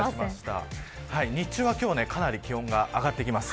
日中は今日はかなり気温が上がってきます。